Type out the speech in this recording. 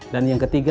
dan yang ketiga